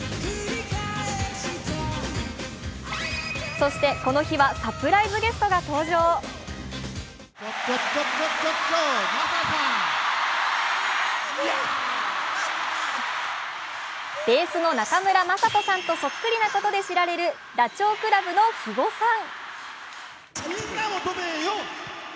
そしてこの日はサプライズゲストが登場ベースの中村正人さんとそっくりなことで知られるダチョウ倶楽部の肥後さん。